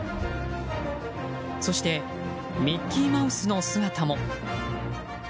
そしてミッキーマウスの姿も！